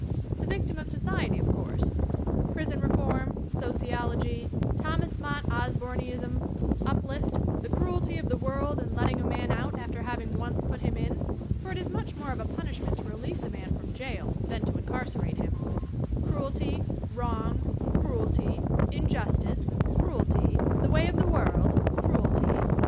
The victim of society, of course; prison reform, sociology, Thomas Mott Osborneism, uplift, the cruelty of the world in letting a man out after having once put him in (for it is much more of a punishment to release a man from jail than to incarcerate him), cruelty, wrong, cruelty, injustice, cruelty, the way of the world, cruelty